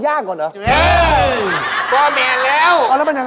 โอ้ยพี่กินแล้วบอกแห้งแรง